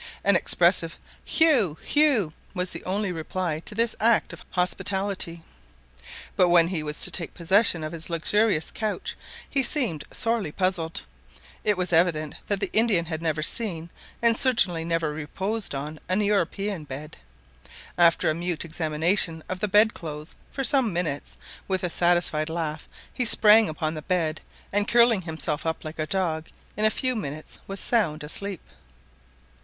An expressive "Hugh! hugh!" was the only reply to this act of hospitality; but when he went to take possession of his luxurious couch he seemed sorely puzzled. It was evident the Indian had never seen, and certainly never reposed on, an European bed. After a mute examination of the bed clothes for some minutes, with a satisfied laugh, he sprang upon the bed, and, curling himself up like a dog, in a few minutes was sound asleep.